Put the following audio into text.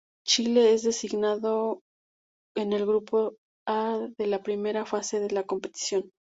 Chile es designado en el grupo A de la primera fase de la competición.